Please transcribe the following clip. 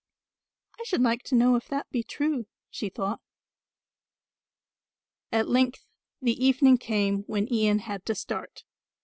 "I should like to know if that be true," she thought. At length the evening came when Ian had to start.